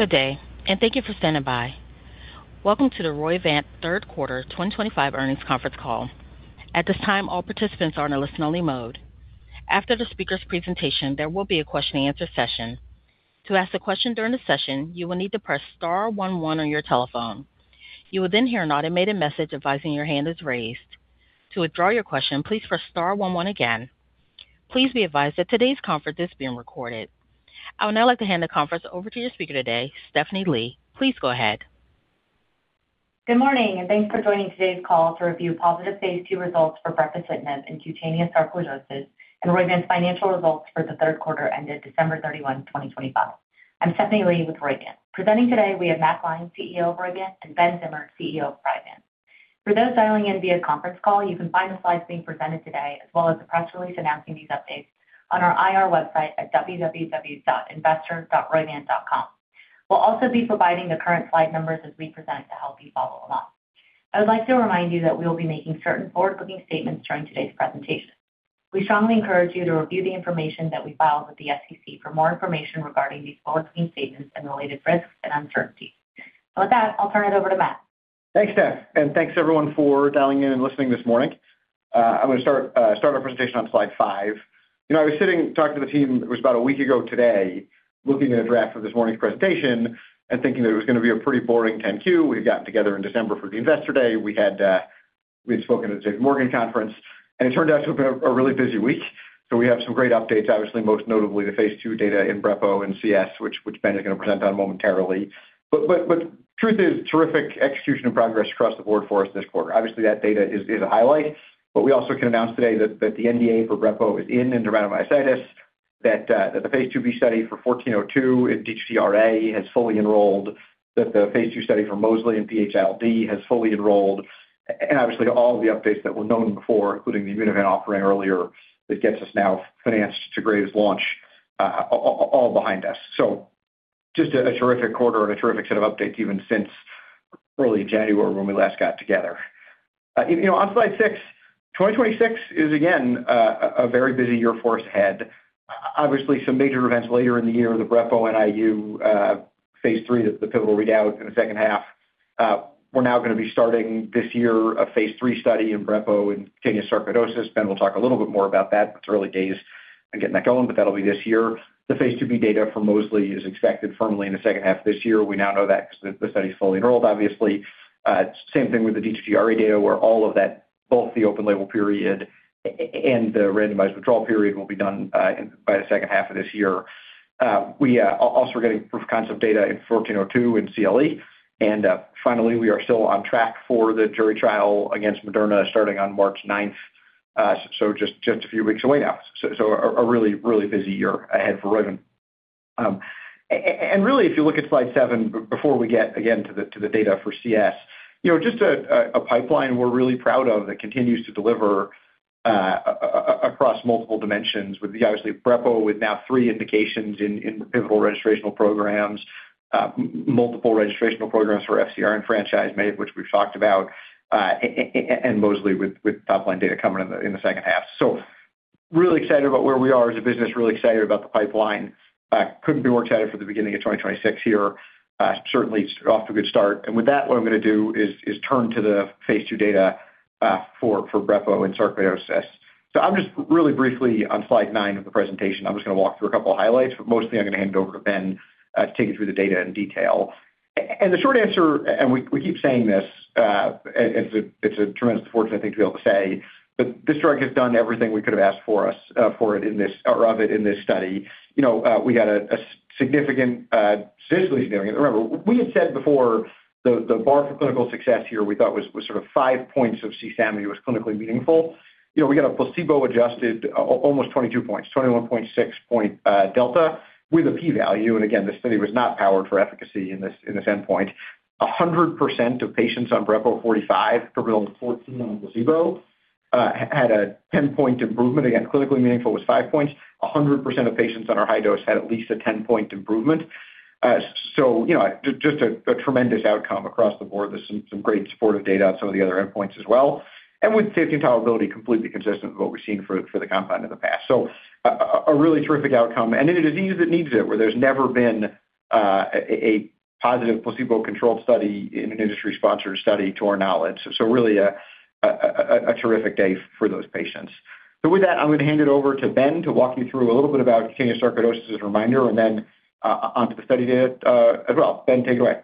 Good day, and thank you for standing by. Welcome to the Roivant Third Quarter 2025 Earnings Conference Call. At this time, all participants are in a listen-only mode. After the speaker's presentation, there will be a question-and-answer session. To ask a question during the session, you will need to press star 11 on your telephone. You will then hear an automated message advising your hand is raised. To withdraw your question, please press star 11 again. Please be advised that today's conference is being recorded. I would now like to hand the conference over to your speaker today, Stephanie Lee. Please go ahead. Good morning, and thanks for joining today's call to review positive phase 2 results for Behçet's disease and cutaneous sarcoidosis, and Roivant financial results for the third quarter ended December 31, 2025. I'm Stephanie Lee with Roivant. Presenting today, we have Matt Gline, CEO of Roivant, and Ben Zimmer, CEO of Priovant. For those dialing in via conference call, you can find the slides being presented today as well as the press release announcing these updates on our IR website at www.investor.roivant.com. We'll also be providing the current slide numbers as we present to help you follow along. I would like to remind you that we will be making certain forward-looking statements during today's presentation. We strongly encourage you to review the information that we filed with the SEC for more information regarding these forward-looking statements and related risks and uncertainties. With that, I'll turn it over to Matt. Thanks, Steph, and thanks everyone for dialing in and listening this morning. I'm going to start our presentation on slide 5. I was sitting talking to the team (it was about a week ago today) looking at a draft of this morning's presentation and thinking that it was going to be a pretty boring 10-Q. We had gotten together in December for the Investor Day. We had spoken at the J.P. Morgan conference, and it turned out to have been a really busy week. So we have some great updates, obviously most notably the phase 2 data in Brepo and CS, which Ben is going to present on momentarily. But truth is, terrific execution and progress across the board for us this quarter. Obviously, that data is a highlight, but we also can announce today that the NDA for Brepo is in dermatomyositis, that the phase 2B study for 1402 in D2T-RA has fully enrolled, that the phase 2 study for mosliciguat and PH-ILD has fully enrolled, and obviously all of the updates that were known before, including the Immunovant offering earlier that gets us now financed to Graves' launch, all behind us. So just a terrific quarter and a terrific set of updates even since early January when we last got together. On slide 6, 2026 is again a very busy year for us ahead. Obviously, some major events later in the year: the Brepo NIU phase 3 that's the pivotal readout in the second half. We're now going to be starting this year a phase 3 study in Brepo and cutaneous sarcoidosis. Ben will talk a little bit more about that. It's early days and getting that going, but that'll be this year. The phase 2b data for mosliciguat is expected firmly in the second half of this year. We now know that because the study's fully enrolled, obviously. Same thing with the D2T-RA data where all of that, both the open label period and the randomized withdrawal period, will be done by the second half of this year. We also are getting proof of concept data in 1402 in CLE. And finally, we are still on track for the jury trial against Moderna starting on March 9th, so just a few weeks away now. So a really, really busy year ahead for Roivant. And really, if you look at slide 7 before we get again to the data for CS, just a pipeline we're really proud of that continues to deliver across multiple dimensions, with obviously Brepo with now three indications in pivotal registrational programs, multiple registrational programs for FcRn and franchise management, which we've talked about, and mosliciguat with top-line data coming in the second half. So really excited about where we are as a business, really excited about the pipeline. Couldn't be more excited for the beginning of 2026 here. Certainly off to a good start. And with that, what I'm going to do is turn to the phase 2 data for Brepo and sarcoidosis. So I'm just really briefly on slide 9 of the presentation. I'm just going to walk through a couple of highlights, but mostly I'm going to hand it over to Ben to take you through the data in detail. The short answer—and we keep saying this, it's a tremendous fortune, I think, to be able to say—but this drug has done everything we could have asked for it in this study. We had a statistically significant—remember, we had said before the bar for clinical success here we thought was sort of five points of CSAMI was clinically meaningful. We got a placebo-adjusted almost 22 points, 21.6 point delta with a p-value. And again, this study was not powered for efficacy in this endpoint. 100% of patients on Brepo 45, 12 on Brepo 45, 14 on placebo, had a 10-point improvement. Again, clinically meaningful was five points. 100% of patients on our high dose had at least a 10-point improvement. Just a tremendous outcome across the board. There's some great supportive data on some of the other endpoints as well. With safety and tolerability completely consistent with what we've seen for the compound in the past. A really terrific outcome. In a disease that needs it, where there's never been a positive placebo-controlled study in an industry-sponsored study to our knowledge. Really a terrific day for those patients. With that, I'm going to hand it over to Ben to walk you through a little bit about cutaneous sarcoidosis as a reminder and then onto the study data as well. Ben, take it away.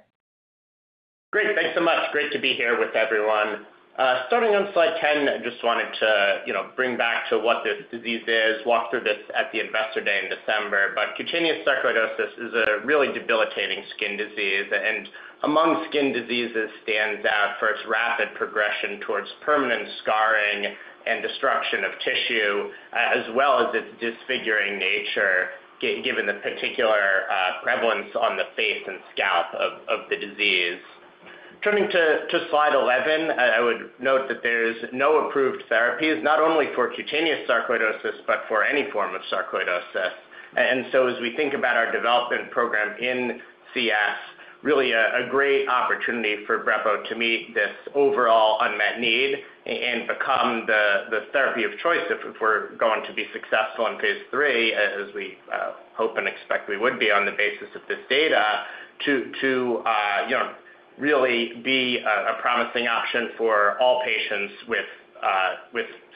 Great. Thanks so much. Great to be here with everyone. Starting on slide 10, I just wanted to bring back to what this disease is, walk through this at the Investor Day in December. Cutaneous sarcoidosis is a really debilitating skin disease. Among skin diseases, it stands out for its rapid progression towards permanent scarring and destruction of tissue, as well as its disfiguring nature given the particular prevalence on the face and scalp of the disease. Turning to slide 11, I would note that there's no approved therapies, not only for cutaneous sarcoidosis but for any form of sarcoidosis. So as we think about our development program in CS, really a great opportunity for Brepo to meet this overall unmet need and become the therapy of choice if we're going to be successful in phase 3, as we hope and expect we would be on the basis of this data, to really be a promising option for all patients with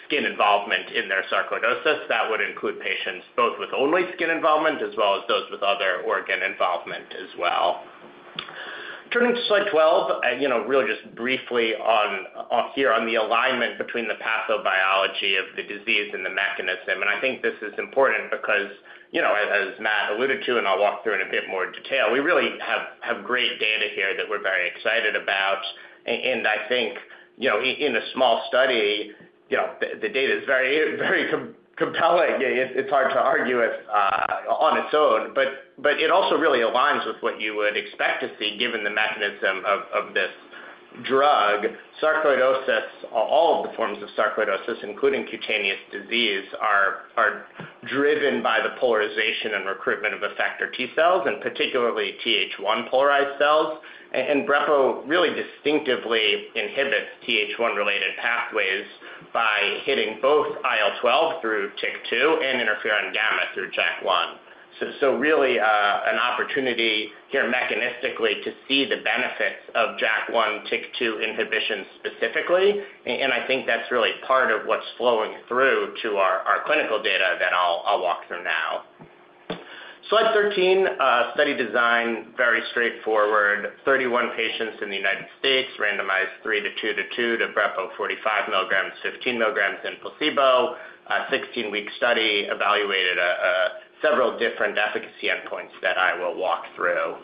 skin involvement in their sarcoidosis. That would include patients both with only skin involvement as well as those with other organ involvement as well. Turning to slide 12, really just briefly here on the alignment between the pathobiology of the disease and the mechanism. I think this is important because, as Matt alluded to, and I'll walk through in a bit more detail, we really have great data here that we're very excited about. I think in a small study, the data is very, very compelling. It's hard to argue on its own, but it also really aligns with what you would expect to see given the mechanism of this drug. Sarcoidosis, all of the forms of sarcoidosis, including cutaneous disease, are driven by the polarization and recruitment of effector T cells, and particularly TH1 polarized cells. Brepo really distinctively inhibits TH1-related pathways by hitting both IL-12 through TYK2 and interferon gamma through JAK1. Really an opportunity here mechanistically to see the benefits of JAK1 TYK2 inhibition specifically. I think that's really part of what's flowing through to our clinical data that I'll walk through now. Slide 13, study design, very straightforward. 31 patients in the United States, randomized 3:2:2 to Brepo 45 mg, 15mg, and placebo. A 16-week study evaluated several different efficacy endpoints that I will walk through.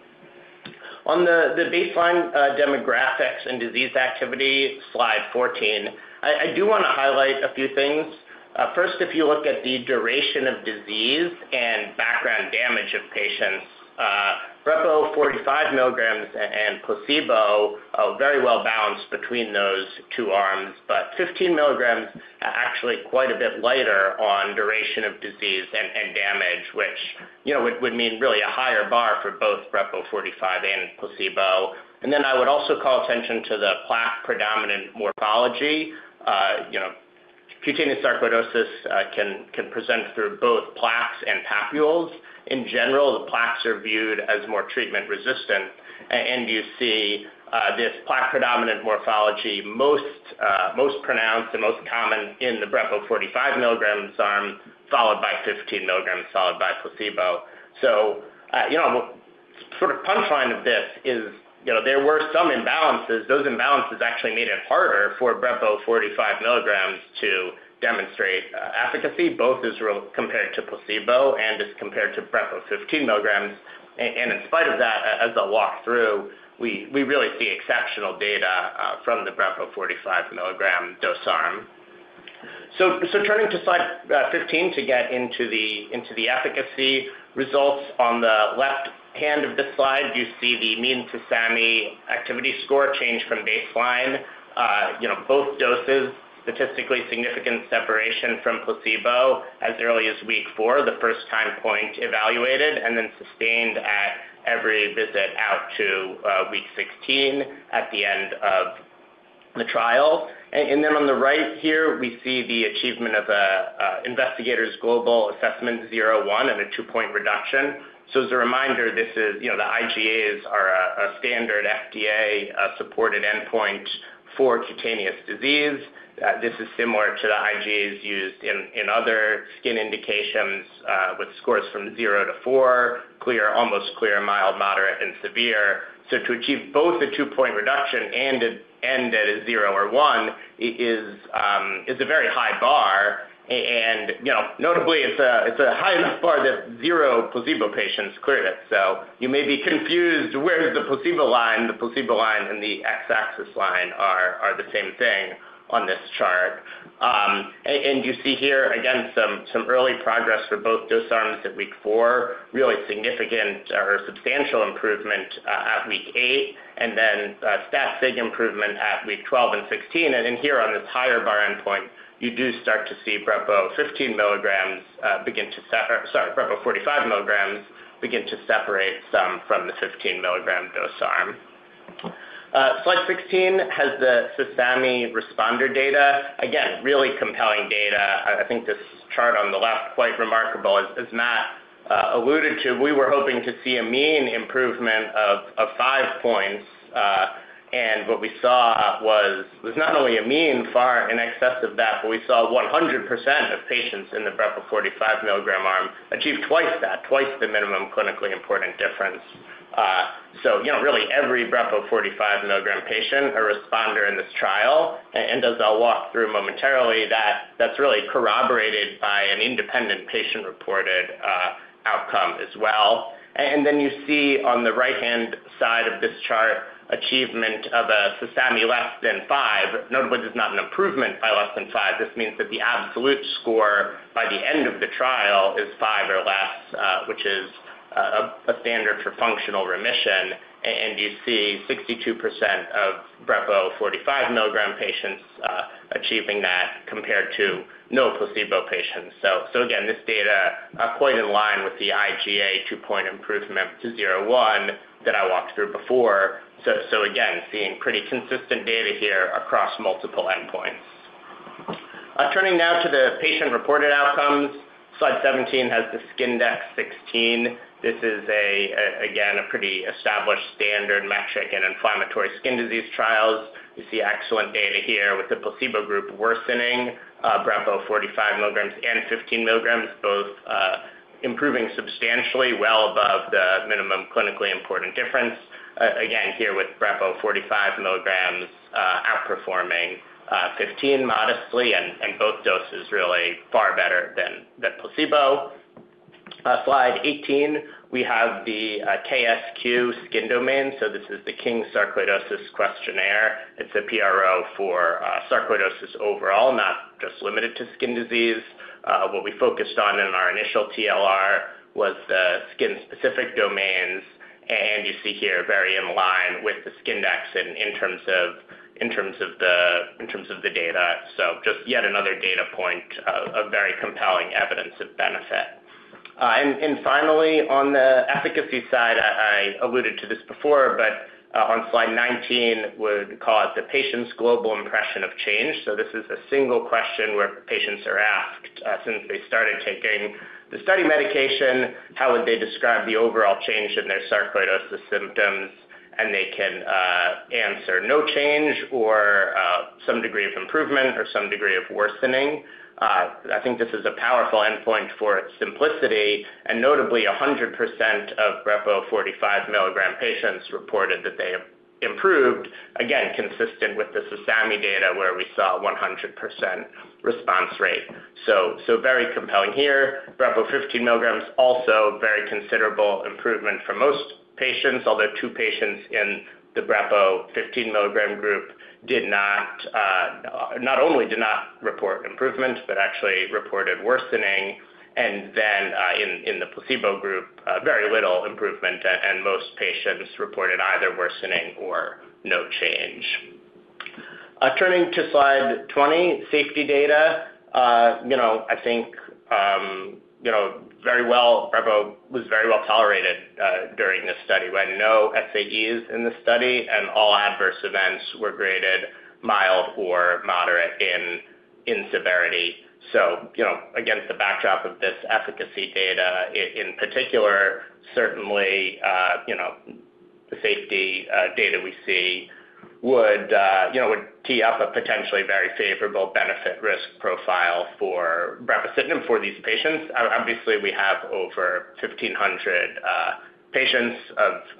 On the baseline demographics and disease activity, slide 14, I do want to highlight a few things. First, if you look at the duration of disease and background damage of patients, Brepo 45 mg and placebo are very well balanced between those two arms, but 15 mg are actually quite a bit lighter on duration of disease and damage, which would mean really a higher bar for both Brepo 45 and placebo. And then I would also call attention to the plaque-predominant morphology. Cutaneous sarcoidosis can present through both plaques and papules. In general, the plaques are viewed as more treatment-resistant. And you see this plaque-predominant morphology most pronounced and most common in the Brepo 45 mg arm followed by 15 mg followed by placebo. So sort of punchline of this is there were some imbalances. Those imbalances actually made it harder for Brepo 45 mg to demonstrate efficacy, both compared to placebo and as compared to Brepo 15mg. In spite of that, as I'll walk through, we really see exceptional data from the Brepo 45 mg dose arm. Turning to slide 15 to get into the efficacy results. On the left hand of the slide, you see the mean CSAMI activity score change from baseline. Both doses, statistically significant separation from placebo as early as week 4, the first time point evaluated, and then sustained at every visit out to week 16 at the end of the trial. On the right here, we see the achievement of Investigator's Global Assessment 0/1 and a 2-point reduction. As a reminder, the IGAs are a standard FDA-supported endpoint for cutaneous disease. This is similar to the IGAs used in other skin indications with scores from 0 to 4, clear, almost clear, mild, moderate, and severe. To achieve both a 2-point reduction and at a 0 or 1 is a very high bar. Notably, it's a high enough bar that zero placebo patients cleared it. You may be confused, where's the placebo line? The placebo line and the X-axis line are the same thing on this chart. You see here, again, some early progress for both dose arms at week 4, really significant or substantial improvement at week 8, and then stat-sig improvement at week 12 and 16. Here on this higher bar endpoint, you do start to see Brepo 15 mg begin to—sorry, Brepo 45 mg begin to separate some from the 15 mg dose arm. Slide 16 has the CSAMI responder data. Again, really compelling data. I think this chart on the left, quite remarkable, as Matt alluded to, we were hoping to see a mean improvement of five points. And what we saw was not only a mean, far in excess of that, but we saw 100% of patients in the Brepo 45-mg arm achieve twice that, twice the minimum clinically important difference. So really, every Brepo 45-mg patient, a responder in this trial, and as I'll walk through momentarily, that's really corroborated by an independent patient-reported outcome as well. And then you see on the right-hand side of this chart, achievement of a CSAMI less than 5. Notably, this is not an improvement by less than 5. This means that the absolute score by the end of the trial is 5 or less, which is a standard for functional remission. You see 62% of Brepo 45 mg patients achieving that compared to no placebo patients. So again, this data is quite in line with the IGA two-point improvement to 0-1 that I walked through before. So again, seeing pretty consistent data here across multiple endpoints. Turning now to the patient-reported outcomes, slide 17 has the SKINDEX-16. This is, again, a pretty established standard metric in inflammatory skin disease trials. You see excellent data here with the placebo group worsening, Brepo 45 mg and 15 mg, both improving substantially, well above the minimum clinically important difference. Again, here with Brepo 45 mg outperforming 15 modestly, and both doses really far better than placebo. Slide 18, we have the KSQ skin domain. So this is the King Sarcoidosis Questionnaire. It's a PRO for sarcoidosis overall, not just limited to skin disease. What we focused on in our initial TLR was the skin-specific domains. You see here, very in line with the SKINDEX in terms of the data. So just yet another data point of very compelling evidence of benefit. Finally, on the efficacy side, I alluded to this before, but on slide 19, we would call it the patient's global impression of change. So this is a single question where patients are asked, since they started taking the study medication, how would they describe the overall change in their sarcoidosis symptoms? And they can answer no change or some degree of improvement or some degree of worsening. I think this is a powerful endpoint for its simplicity. And notably, 100% of Brepo 45 mg patients reported that they improved, again, consistent with the CSAMI data where we saw a 100% response rate. So very compelling here. Brepo 15 mg, also very considerable improvement for most patients, although two patients in the Brepo 15 mg group not only did not report improvement but actually reported worsening. Then in the placebo group, very little improvement. Most patients reported either worsening or no change. Turning to slide 20, safety data. I think very well, Brepo was very well tolerated during this study. We had no SAEs in the study, and all adverse events were graded mild or moderate in severity. Against the backdrop of this efficacy data in particular, certainly, the safety data we see would tee up a potentially very favorable benefit-risk profile for brepocitinib for these patients. Obviously, we have over 1,500 patients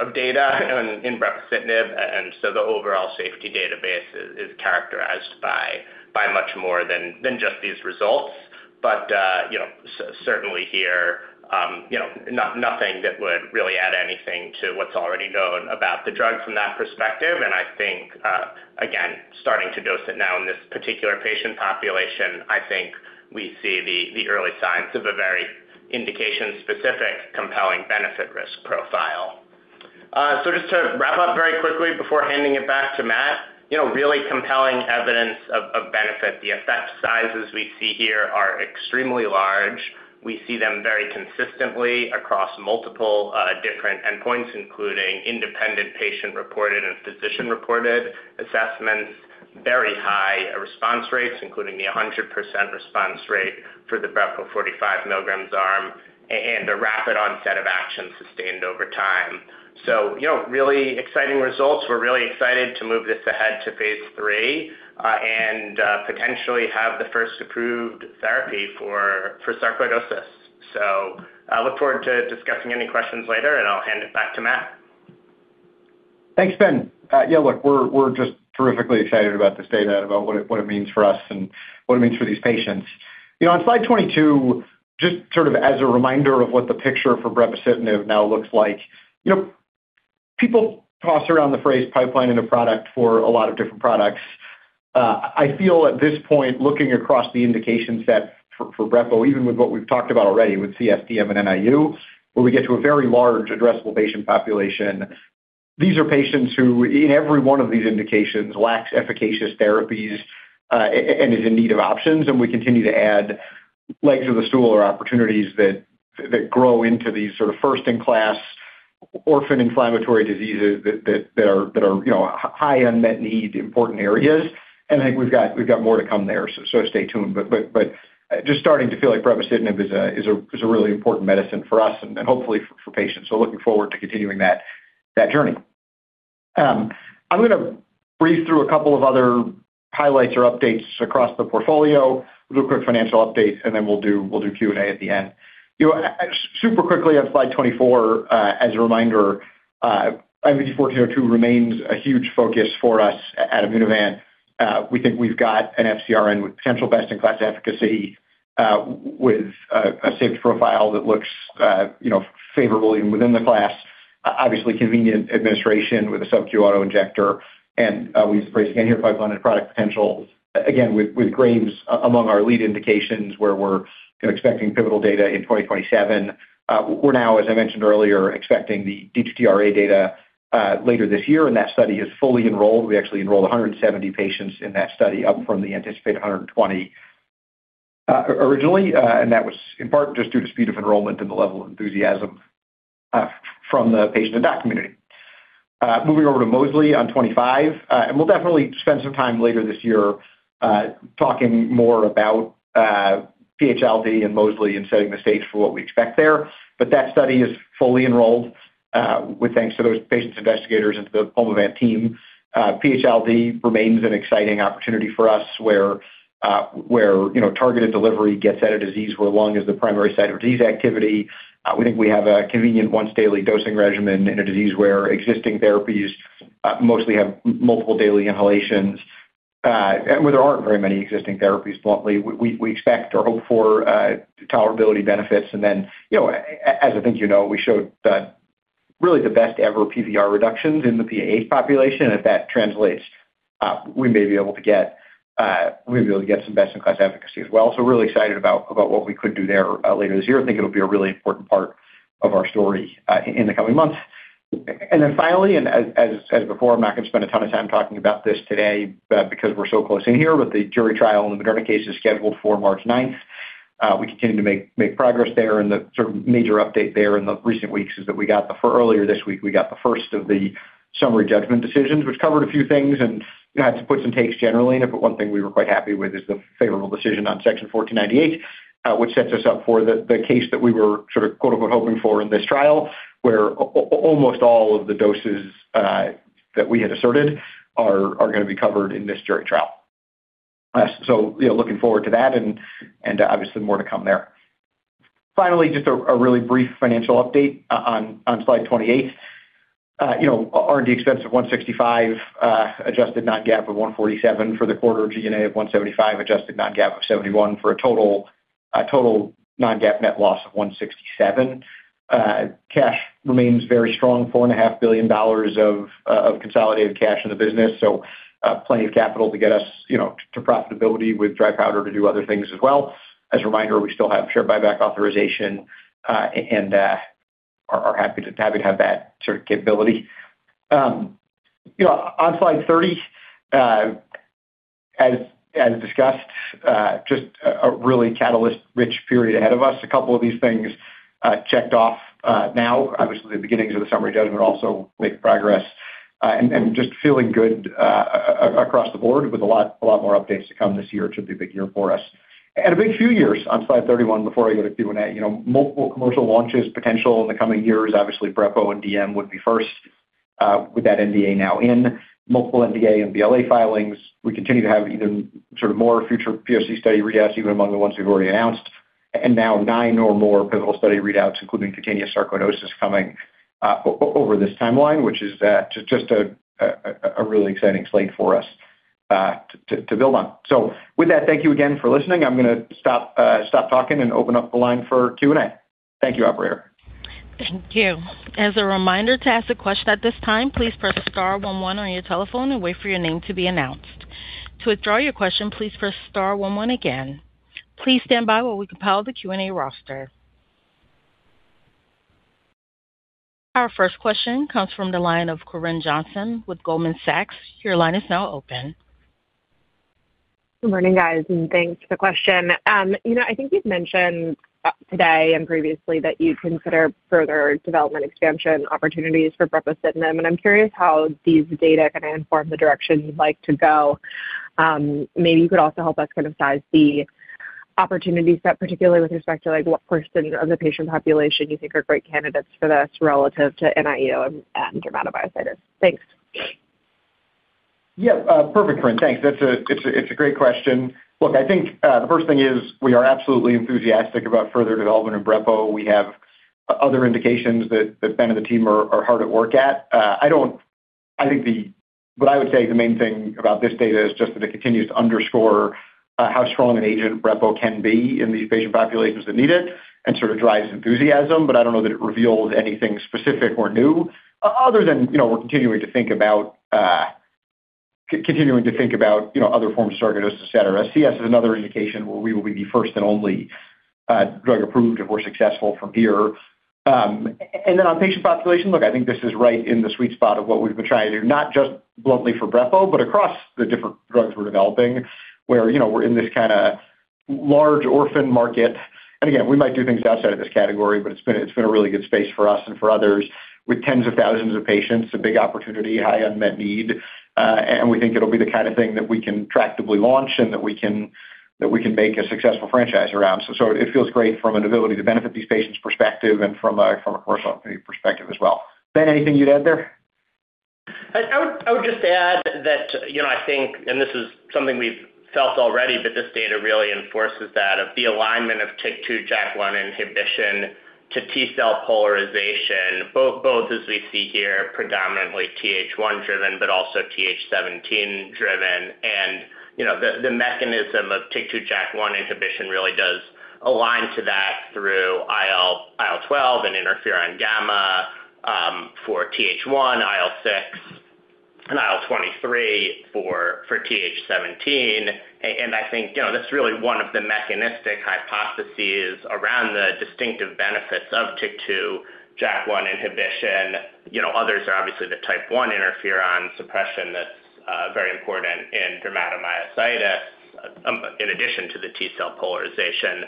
of data in brepocitinib. So the overall safety database is characterized by much more than just these results. But certainly here, nothing that would really add anything to what's already known about the drug from that perspective. And I think, again, starting to dose it now in this particular patient population, I think we see the early signs of a very indication-specific, compelling benefit-risk profile. So just to wrap up very quickly before handing it back to Matt, really compelling evidence of benefit. The effect sizes we see here are extremely large. We see them very consistently across multiple different endpoints, including independent patient-reported and physician-reported assessments, very high response rates, including the 100% response rate for the Brepo 45 mg arm, and a rapid onset of action sustained over time. So really exciting results. We're really excited to move this ahead to phase 3 and potentially have the first approved therapy for sarcoidosis. I look forward to discussing any questions later, and I'll hand it back to Matt. Thanks, Ben. Yeah, look, we're just terrifically excited about this data, about what it means for us and what it means for these patients. On slide 22, just sort of as a reminder of what the picture for brepocitinib now looks like, people toss around the phrase pipeline and a product for a lot of different products. I feel at this point, looking across the indication set for Brepo, even with what we've talked about already with CS, DM and NIU, where we get to a very large addressable patient population, these are patients who, in every one of these indications, lack efficacious therapies and are in need of options. And we continue to add legs of the stool or opportunities that grow into these sort of first-in-class orphan inflammatory diseases that are high unmet need, important areas. And I think we've got more to come there, so stay tuned. But just starting to feel like brepocitinib is a really important medicine for us and hopefully for patients. So looking forward to continuing that journey. I'm going to breeze through a couple of other highlights or updates across the portfolio, a little quick financial update, and then we'll do Q&A at the end. Super quickly on slide 24, as a reminder, IMVT-1402 remains a huge focus for us at Immunovant. We think we've got an FcRn with potential best-in-class efficacy, with a safety profile that looks favorable even within the class, obviously convenient administration with a subQ autoinjector. And we use the phrase again here, pipeline and product potential, again, with Graves among our lead indications where we're expecting pivotal data in 2027. We're now, as I mentioned earlier, expecting the D2T-RA data later this year. And that study is fully enrolled. We actually enrolled 170 patients in that study up from the anticipated 120 originally. That was in part just due to speed of enrollment and the level of enthusiasm from the patient and doc community. Moving over to mosliciguat on 25, and we'll definitely spend some time later this year talking more about PH-ILD and mosliciguat and setting the stage for what we expect there. But that study is fully enrolled with thanks to those patients, investigators, and to the Pulmovant team. PH-ILD remains an exciting opportunity for us where targeted delivery gets at a disease where lung is the primary site of disease activity. We think we have a convenient once-daily dosing regimen in a disease where existing therapies mostly have multiple daily inhalations and where there aren't very many existing therapies bluntly. We expect or hope for tolerability benefits. And then, as I think you know, we showed really the best-ever PVR reductions in the PAH population. And if that translates, we may be able to get some best-in-class efficacy as well. So really excited about what we could do there later this year. I think it'll be a really important part of our story in the coming months. And then finally, and as before, I'm not going to spend a ton of time talking about this today because we're so close in here, but the jury trial in the Moderna case is scheduled for March 9th. We continue to make progress there. The sort of major update there in the recent weeks is that we got the earlier this week, we got the first of the summary judgment decisions, which covered a few things and had to put some takes generally in it. But one thing we were quite happy with is the favorable decision on Section 1498, which sets us up for the case that we were sort of "hoping for" in this trial where almost all of the doses that we had asserted are going to be covered in this jury trial. So looking forward to that and obviously more to come there. Finally, just a really brief financial update on slide 28. R&D expense of $165, adjusted non-GAAP of $147 for the quarter, G&A of $175, adjusted non-GAAP of $71 for a total non-GAAP net loss of $167. Cash remains very strong, $4.5 billion of consolidated cash in the business. So plenty of capital to get us to profitability with dry powder to do other things as well. As a reminder, we still have share buyback authorization and are happy to have that sort of capability. On slide 30, as discussed, just a really catalyst-rich period ahead of us. A couple of these things checked off now. Obviously, the beginnings of the summary judgment also make progress. And just feeling good across the board with a lot more updates to come this year. It should be a big year for us. And a big few years on slide 31 before I go to Q&A. Multiple commercial launches potential in the coming years. Obviously, Brepo and DM would be first with that NDA now in. Multiple NDA and BLA filings. We continue to have either sort of more future POC study readouts, even among the ones we've already announced, and now nine or more pivotal study readouts, including cutaneous sarcoidosis, coming over this timeline, which is just a really exciting slate for us to build on. With that, thank you again for listening. I'm going to stop talking and open up the line for Q&A. Thank you, operator. Thank you. As a reminder, to ask a question at this time, please press star 11 on your telephone and wait for your name to be announced. To withdraw your question, please press star 11 again. Please stand by while we compile the Q&A roster. Our first question comes from the line of Corinne Jenkins with Goldman Sachs. Your line is now open. Good morning, guys, and thanks for the question. I think you've mentioned today and previously that you consider further development expansion opportunities for brepocitinib. And I'm curious how these data kind of inform the direction you'd like to go. Maybe you could also help us kind of size the opportunities set, particularly with respect to what portion of the patient population you think are great candidates for this relative to NIU and dermatomyositis. Thanks. Yeah, perfect, Corinne. Thanks. It's a great question. Look, I think the first thing is we are absolutely enthusiastic about further development of Brepo. We have other indications that Ben and the team are hard at work at. I think what I would say the main thing about this data is just that it continues to underscore how strong an agent Brepo can be in these patient populations that need it and sort of drives enthusiasm. But I don't know that it reveals anything specific or new other than we're continuing to think about continuing to think about other forms of sarcoidosis, etc. CS is another indication where we will be the first and only drug approved if we're successful from here. And then on patient population, look, I think this is right in the sweet spot of what we've been trying to do, not just bluntly for Brepo, but across the different drugs we're developing where we're in this kind of large orphan market. And again, we might do things outside of this category, but it's been a really good space for us and for others with tens of thousands of patients, a big opportunity, high unmet need. And we think it'll be the kind of thing that we can tractably launch and that we can make a successful franchise around. So it feels great from an ability to benefit these patients' perspective and from a commercial company perspective as well. Ben, anything you'd add there? I would just add that I think and this is something we've felt already, but this data really enforces that of the alignment of TYK2 JAK1 inhibition to T-cell polarization, both as we see here, predominantly TH1-driven but also TH17-driven. The mechanism of TYK2 JAK1 inhibition really does align to that through IL-12 and interferon gamma for TH1, IL-6, and IL-23 for TH17. I think that's really one of the mechanistic hypotheses around the distinctive benefits of TYK2 JAK1 inhibition. Others are obviously the type 1 interferon suppression that's very important in dermatomyositis in addition to the T-cell polarization.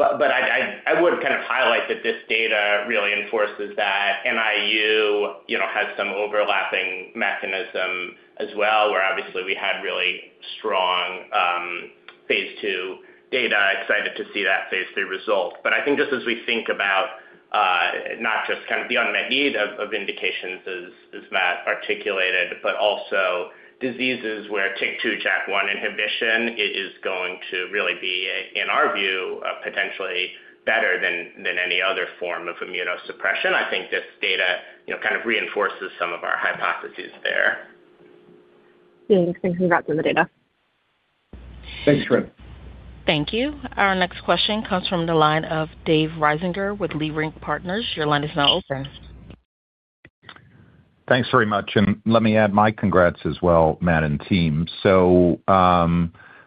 I would kind of highlight that this data really enforces that. NIU has some overlapping mechanism as well where obviously we had really strong phase 2 data. Excited to see that phase 3 result. But I think just as we think about not just kind of the unmet need of indications as Matt articulated, but also diseases where TYK2 JAK1 inhibition is going to really be, in our view, potentially better than any other form of immunosuppression, I think this data kind of reinforces some of our hypotheses there. Thanks. Thanks for congrats on the data. Thanks, Corinne. Thank you. Our next question comes from the line of David Risinger with Leerink Partners. Your line is now open. Thanks very much. And let me add my congrats as well, Matt and team. So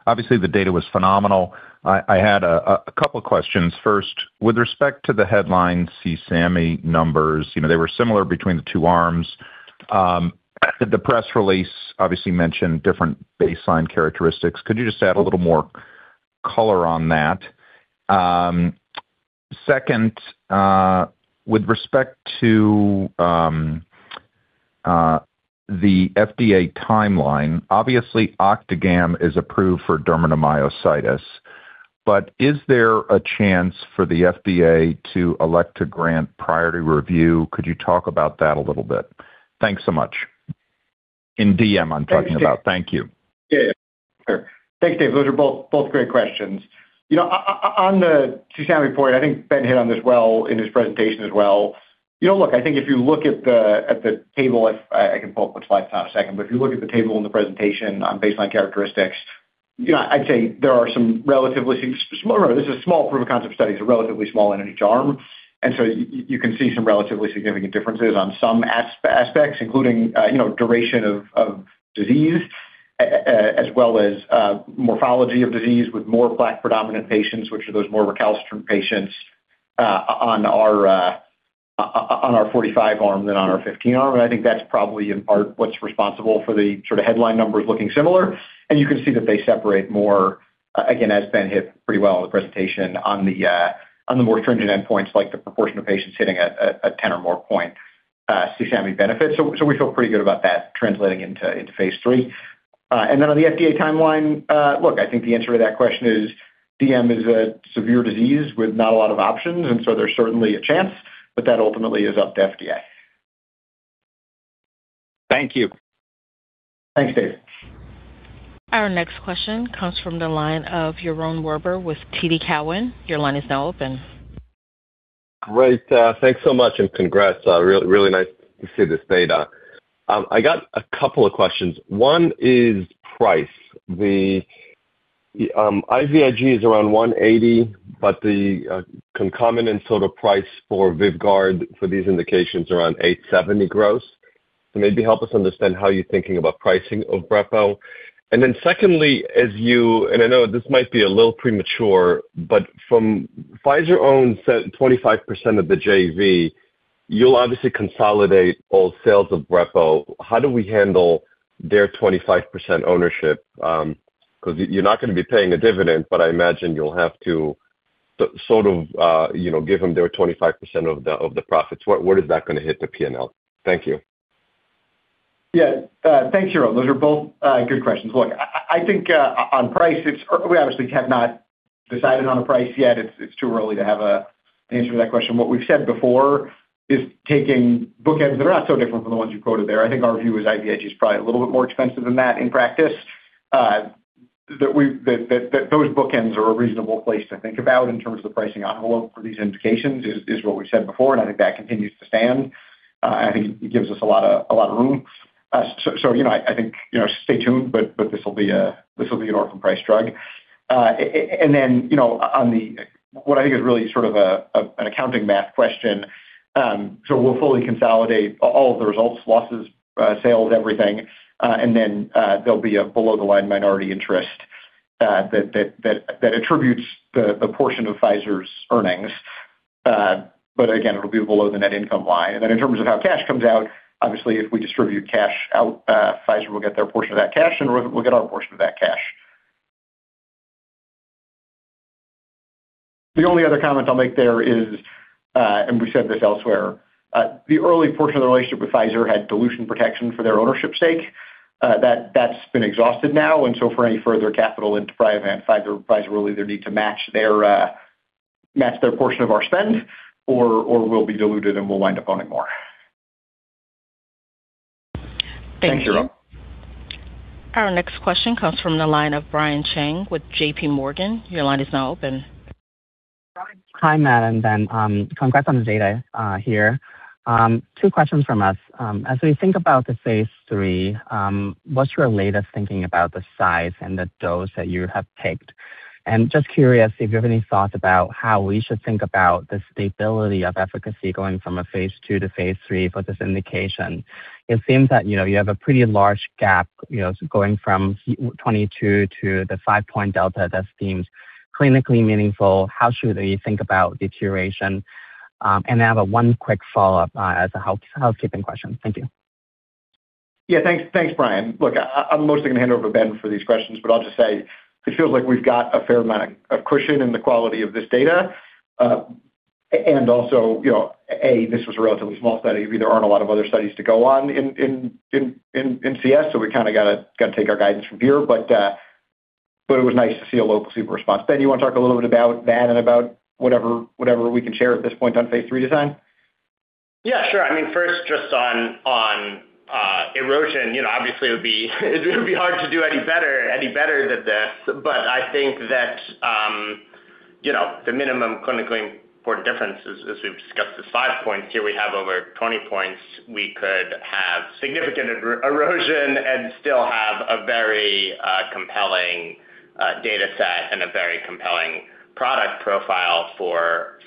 obviously, the data was phenomenal. I had a couple of questions. First, with respect to the headline CSAMI numbers, they were similar between the two arms. The press release obviously mentioned different baseline characteristics. Could you just add a little more color on that? Second, with respect to the FDA timeline, obviously, Octagam is approved for dermatomyositis. But is there a chance for the FDA to elect to grant priority review? Could you talk about that a little bit? Thanks so much. In DM, I'm talking about. Thank you. Thanks, Dave. Thanks, Dave. Those are both great questions. On the CSAMI report, I think Ben hit on this well in his presentation as well. Look, I think if you look at the table I can pull up the slides now in a second. But if you look at the table and the presentation on baseline characteristics, I'd say there are some relatively small this is a small proof of concept study. It's a relatively small in each arm. And so you can see some relatively significant differences on some aspects, including duration of disease as well as morphology of disease with more plaque-predominant patients, which are those more recalcitrant patients on our 45-arm than on our 15-arm. And I think that's probably in part what's responsible for the sort of headline numbers looking similar. You can see that they separate more, again, as Ben hit pretty well in the presentation, on the more stringent endpoints like the proportion of patients hitting a 10 or more point CSAMI benefit. So we feel pretty good about that translating into phase 3. Then on the FDA timeline, look, I think the answer to that question is DM is a severe disease with not a lot of options. So there's certainly a chance, but that ultimately is up to FDA. Thank you. Thanks, Dave. Our next question comes from the line of Yaron Werber with TD Cowen. Your line is now open. Great. Thanks so much and congrats. Really nice to see this data. I got a couple of questions. One is price. The IVIG is around $180, but the concomitant sort of price for Vyvgart for these indications is around $870 gross. So maybe help us understand how you're thinking about pricing of Brepo. And then secondly, as you and I know this might be a little premature, but from Pfizer owns 25% of the JV. You'll obviously consolidate all sales of Brepo. How do we handle their 25% ownership? Because you're not going to be paying a dividend, but I imagine you'll have to sort of give them their 25% of the profits. Where is that going to hit the P&L? Thank you. Yeah. Thanks, Jeroen. Those are both good questions. Look, I think on price, we obviously have not decided on a price yet. It's too early to have an answer to that question. What we've said before is taking bookends that are not so different from the ones you quoted there. I think our view is IVIG is probably a little bit more expensive than that in practice. That those bookends are a reasonable place to think about in terms of the pricing envelope for these indications is what we've said before. And I think that continues to stand. And I think it gives us a lot of room. So I think stay tuned, but this will be an orphan-priced drug. And then on what I think is really sort of an accounting math question, so we'll fully consolidate all of the results, losses, sales, everything. And then there'll be a below-the-line minority interest that attributes the portion of Pfizer's earnings. But again, it'll be below the net income line. And then in terms of how cash comes out, obviously, if we distribute cash out, Pfizer will get their portion of that cash, and we'll get our portion of that cash. The only other comment I'll make there is, and we've said this elsewhere. The early portion of the relationship with Pfizer had dilution protection for their ownership sake. That's been exhausted now. And so for any further capital into Priovant, Pfizer will either need to match their portion of our spend or we'll be diluted and we'll wind up owning more. Thank you. Thanks, Jeroen. Our next question comes from the line of Brian Cheng with J.P. Morgan. Your line is now open. Hi, Matt and Ben. Congrats on the data here. Two questions from us. As we think about the phase 3, what's your latest thinking about the size and the dose that you have picked? And just curious if you have any thoughts about how we should think about the stability of efficacy going from a phase 2 to phase 3 for this indication. It seems that you have a pretty large gap going from 22 to the 5-point delta that seems clinically meaningful. How should we think about deterioration? And I have one quick follow-up as a housekeeping question. Thank you. Yeah, thanks, Brian. Look, I'm mostly going to hand over to Ben for these questions. But I'll just say it feels like we've got a fair amount of cushion in the quality of this data. And also, A, this was a relatively small study. There aren't a lot of other studies to go on in CS. So we kind of got to take our guidance from here. But it was nice to see a local super response. Ben, you want to talk a little bit about that and about whatever we can share at this point on phase 3 design? Yeah, sure. I mean, first, just on erosion, obviously, it would be hard to do any better than this. But I think that the minimum clinically important difference, as we've discussed this 5 points here, we have over 20 points. We could have significant erosion and still have a very compelling dataset and a very compelling product profile for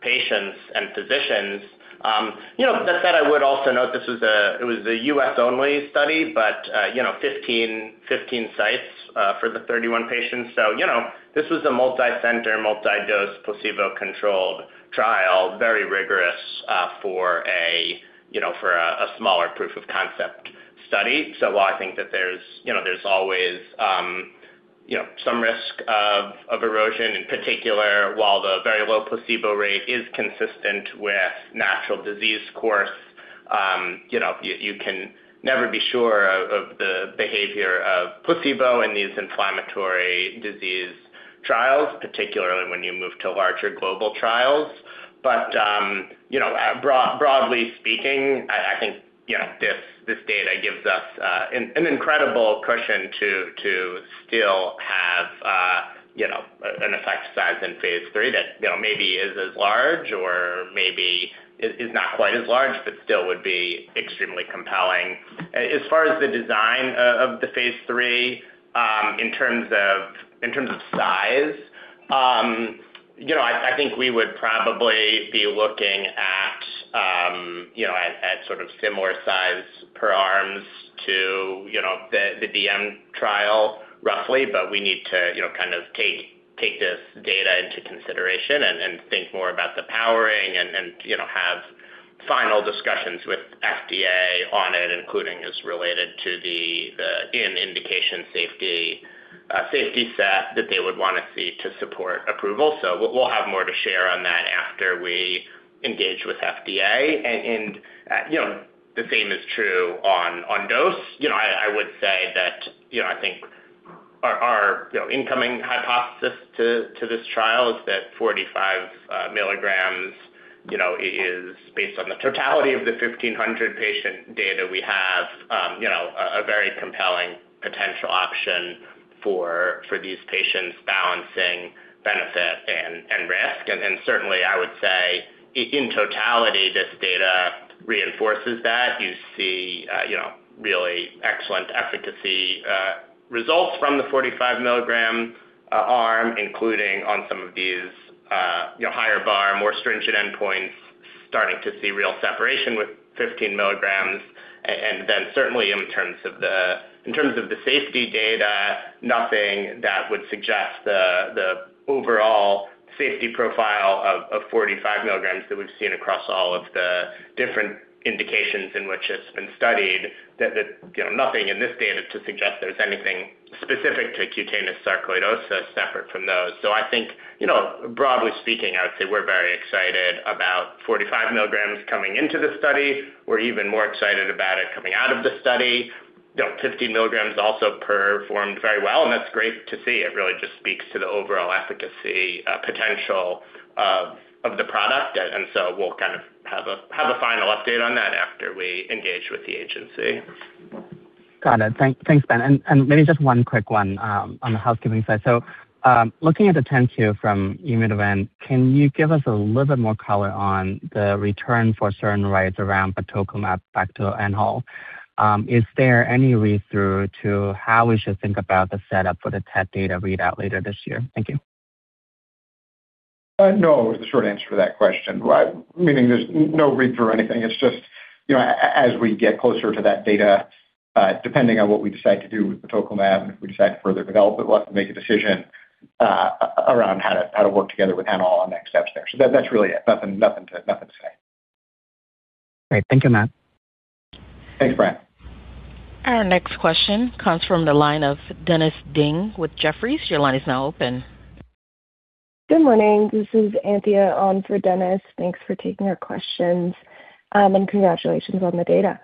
patients and physicians. That said, I would also note this was a U.S.-only study, but 15 sites for the 31 patients. So this was a multi-center, multi-dose placebo-controlled trial, very rigorous for a smaller proof of concept study. So while I think that there's always some risk of erosion, in particular, while the very low placebo rate is consistent with natural disease course, you can never be sure of the behavior of placebo in these inflammatory disease trials, particularly when you move to larger global trials. But broadly speaking, I think this data gives us an incredible cushion to still have an effect size in phase 3 that maybe is as large or maybe is not quite as large but still would be extremely compelling. As far as the design of the phase 3, in terms of size, I think we would probably be looking at sort of similar size per arms to the DM trial, roughly. But we need to kind of take this data into consideration and think more about the powering and have final discussions with FDA on it, including as related to the indication safety set that they would want to see to support approval. So we'll have more to share on that after we engage with FDA. And the same is true on dose. I would say that I think our incoming hypothesis to this trial is that 45 mg is based on the totality of the 1,500 patient data we have, a very compelling potential option for these patients balancing benefit and risk. Certainly, I would say in totality, this data reinforces that. You see really excellent efficacy results from the 45-mg arm, including on some of these higher bar, more stringent endpoints, starting to see real separation with 15 mg. Then certainly, in terms of the safety data, nothing that would suggest the overall safety profile of 45 mg that we've seen across all of the different indications in which it's been studied, nothing in this data to suggest there's anything specific to cutaneous sarcoidosis separate from those. I think broadly speaking, I would say we're very excited about 45 mg coming into the study. We're even more excited about it coming out of the study. 15 mg also performed very well. That's great to see. It really just speaks to the overall efficacy potential of the product. So we'll kind of have a final update on that after we engage with the agency. Got it. Thanks, Ben. And maybe just one quick one on the housekeeping side. So looking at the 10-Q from Immunovant, can you give us a little bit more color on the return for certain rights around batoclimab, HanAll? Is there any read-through to how we should think about the setup for the TED data readout later this year? Thank you. No, it was the short answer to that question, meaning there's no read-through or anything. It's just as we get closer to that data, depending on what we decide to do with batoclimab and if we decide to further develop it, we'll have to make a decision around how to work together with HanAll on next steps there. So that's really it. Nothing to say. Great. Thank you, Matt. Thanks, Brian. Our next question comes from the line of Dennis Ding with Jefferies. Your line is now open. Good morning. This is Anthea on for Dennis. Thanks for taking our questions and congratulations on the data.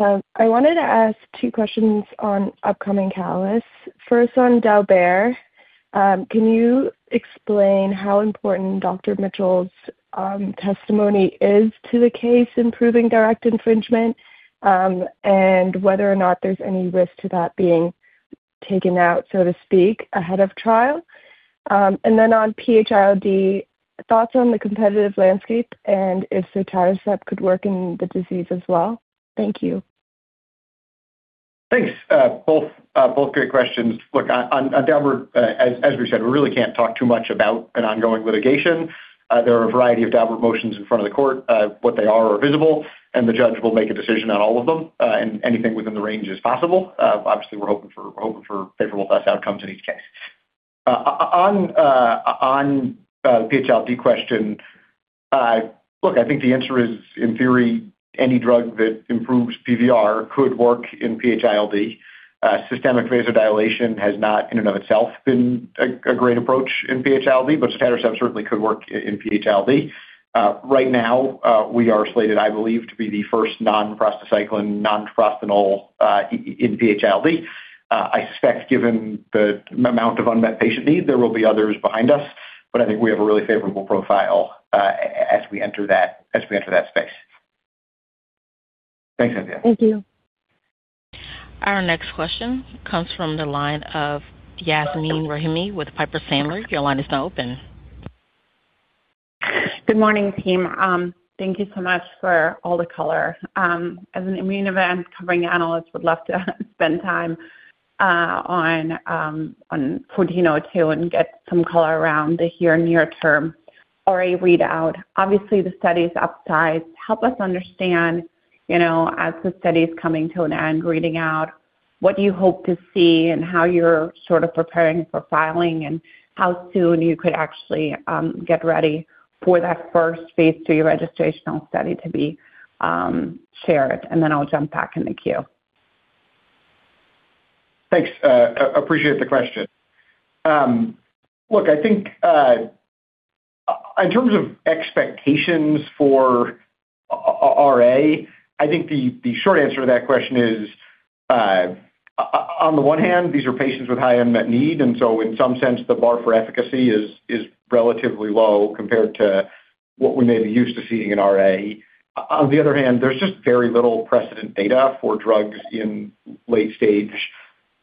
I wanted to ask two questions on upcoming catalysts. First, on Daubert, can you explain how important Dr. Mitchell's testimony is to the case improving direct infringement and whether or not there's any risk to that being taken out, so to speak, ahead of trial? And then on PH-ILD, thoughts on the competitive landscape and if sotatercept could work in the disease as well? Thank you. Thanks. Both great questions. Look, on Daubert, as we said, we really can't talk too much about an ongoing litigation. There are a variety of Daubert motions in front of the court. What they are are visible. The judge will make a decision on all of them. Anything within the range is possible. Obviously, we're hoping for favorable test outcomes in each case. On the PHILD question, look, I think the answer is, in theory, any drug that improves PVR could work in PHILD. Systemic vasodilation has not in and of itself been a great approach in PHILD. But sotatercept certainly could work in PHILD. Right now, we are slated, I believe, to be the first non-prostacyclin, non-prostanoid in PHILD. I suspect, given the amount of unmet patient need, there will be others behind us. But I think we have a really favorable profile as we enter that space. Thanks, Anthea. Thank you. Our next question comes from the line of Yasmeen Rahimi with Piper Sandler. Your line is now open. Good morning, team. Thank you so much for all the color. As an Immunovant covering analyst, we'd love to spend time on 1402 and get some color around the here and near-term RA readout. Obviously, the study's upside. Help us understand, as the study's coming to an end, reading out, what do you hope to see and how you're sort of preparing for filing and how soon you could actually get ready for that first phase 3 registrational study to be shared. And then I'll jump back in the queue. Thanks. Appreciate the question. Look, I think in terms of expectations for RA, I think the short answer to that question is, on the one hand, these are patients with high unmet need. And so in some sense, the bar for efficacy is relatively low compared to what we may be used to seeing in RA. On the other hand, there's just very little precedent data for drugs in late-stage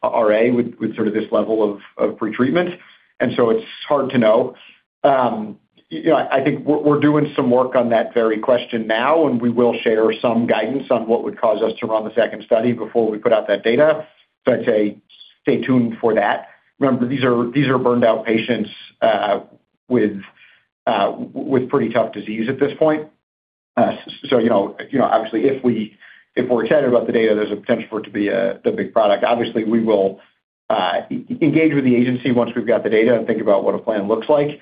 RA with sort of this level of pretreatment. And so it's hard to know. I think we're doing some work on that very question now. And we will share some guidance on what would cause us to run the second study before we put out that data. So I'd say stay tuned for that. Remember, these are burned-out patients with pretty tough disease at this point. So obviously, if we're excited about the data, there's a potential for it to be a big product. Obviously, we will engage with the agency once we've got the data and think about what a plan looks like.